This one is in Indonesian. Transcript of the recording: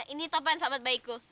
ini topan sahabat baikku